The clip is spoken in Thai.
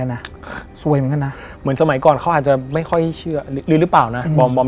บางคนเขาอาจจะไม่ค่อยเชื่อหรือเปล่านะ